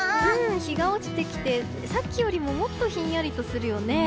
日が落ちてきてさっきよりももっとひんやりとするよね。